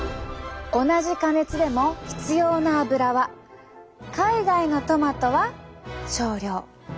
同じ加熱でも必要な油は海外のトマトは少量。